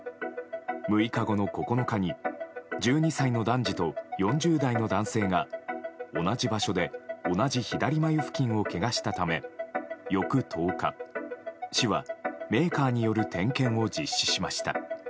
６日後の９日に１２歳の男児と４０代の男性が同じ場所で同じ左眉付近をけがしたため翌１０日、市はメーカーによる点検を実施しました。